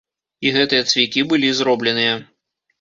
І гэтыя цвікі былі зробленыя.